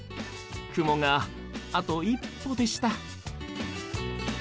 雲があと一歩でした。